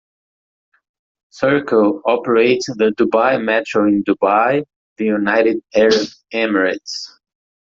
Serco operates the Dubai Metro in Dubai, the United Arab Emirates.